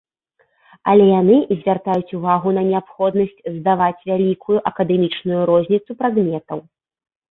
Але яны звяртаюць увагу на неабходнасць здаваць вялікую акадэмічную розніцу прадметаў.